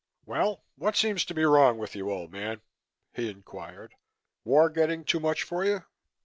"Well, what seems to be wrong with you, old man?" he inquired. "War getting too much for you?